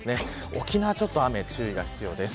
沖縄ちょっと雨に注意が必要です。